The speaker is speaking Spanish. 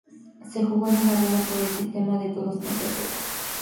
Se jugó en una rueda por el sistema de todos contra todos.